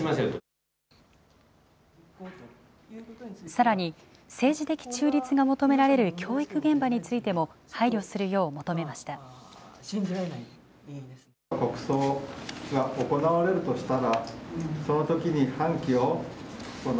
さらに、政治的中立が求められる教育現場についても、配慮するよう求めました。